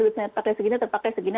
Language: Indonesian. duit saya pakai segini terpakai segini